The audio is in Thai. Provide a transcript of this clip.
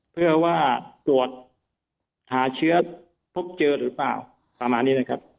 เพื่อว่าตรวจหาเชื้อพบเจอหรือเปล่าประมาณนี้นะครับ